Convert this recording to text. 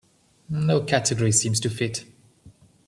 No category seems to fit.